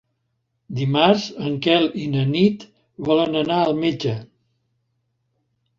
Dimarts en Quel i na Nit volen anar al metge.